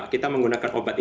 kita menggunakan obat ini